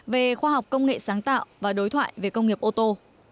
về khoa học công nghệ sáng tạo và đối thoại về công nghiệp ô tô